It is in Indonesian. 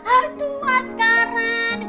aduh askara nih